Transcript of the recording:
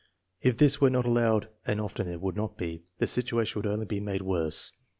If this were not allowed, and often it would not be, the situation would only be made worse.